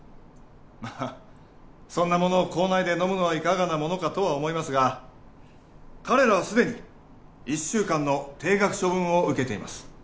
まあそんなものを校内で飲むのはいかがなものかとは思いますが彼らはすでに１週間の停学処分を受けています